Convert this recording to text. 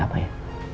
ada apa ya